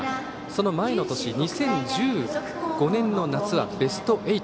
その前の年２０１５年の夏はベスト８。